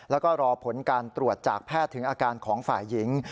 แล้วก็รอผลการตรวจจากแพทย์ถึงอาการของฝ่ายหญิง